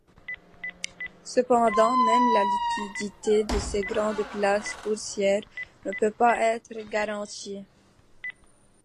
Cependant, même la liquidité de ces grandes places boursières ne peut pas être garantie.